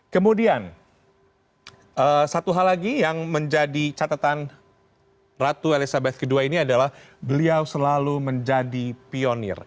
kemudian satu hal lagi yang menjadi catatan ratu elizabeth ii ini adalah beliau selalu menjadi pionir